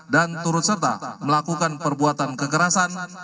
dan turut serta melakukan perbuatan kekerasan